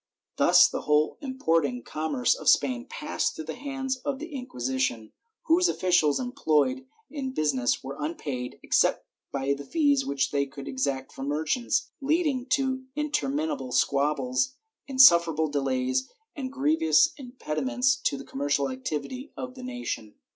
Thus the whole importing commerce of Spain passed through the hands of the Inquisition, whose officials employed in the business were unpaid, except by the fees which they could exact from merchants, leading to interminable squab bles, insufferable delays and grievous impediments to the com mercial activity of the nation.